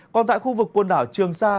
còn tại khu vực quần đảo trường sa